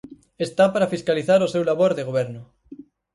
Está para fiscalizar o seu labor de Goberno.